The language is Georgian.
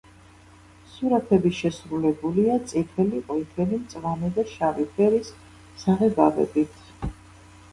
სურათები შესრულებულია წითელი, ყვითელი, მწვანე და შავი ფერის საღებავებით.